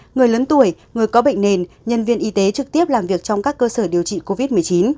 người lớn tuổi người có bệnh nền nhân viên y tế trực tiếp làm việc trong các cơ sở điều trị covid một mươi chín